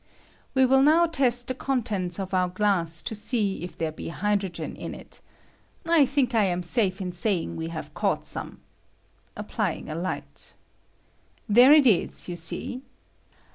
We will now test the contents of our glass to Bee if there be hydrogen in it; I think I am safe in saying we have caught some [applying a light]. There it is, you see.